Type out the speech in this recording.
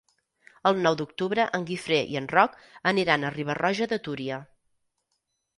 El nou d'octubre en Guifré i en Roc aniran a Riba-roja de Túria.